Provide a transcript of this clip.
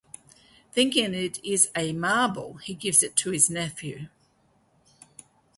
Thinking it is a marble, he gives it to his nephew.